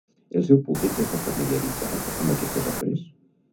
El seu públic ja està familiaritzat amb aquestes obres?